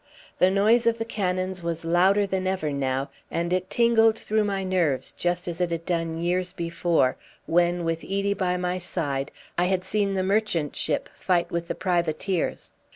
The noise of the cannons was louder than ever now, and it tingled through my nerves just as it had done years before, when, with Edie by my side, I had seen the merchant ship fight with the privateers.